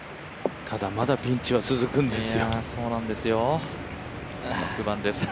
ただ、まだピンチは続くんですよ。